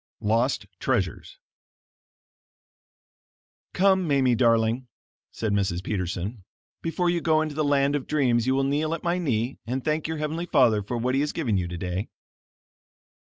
LOST TREASURES "Come, Mamie, darling," said Mrs. Peterson, "before you go into the land of dreams you will kneel at my knee and thank your heavenly Father for what he has given you today."